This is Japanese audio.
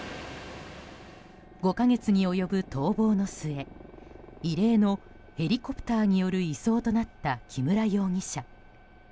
５か月に及ぶ逃亡の末異例のヘリコプターによる移送となった木村容疑者。